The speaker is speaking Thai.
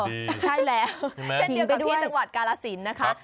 ใช่แล้วเช่นเดียวกันที่จังหวัดกาลสินนะคะ